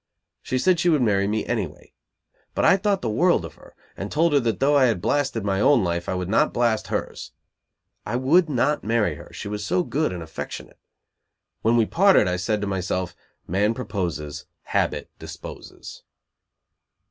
She said she would marry me anyway. But I thought the world of her, and told her that though I had blasted my own life I would not blast hers. I would not marry her, she was so good and affectionate. When we parted, I said to myself: Man proposes, habit disposes.